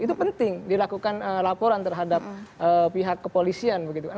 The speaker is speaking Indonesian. itu penting dilakukan laporan terhadap pihak kepolisian begitu